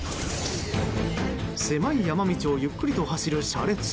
狭い山道をゆっくりと走る車列。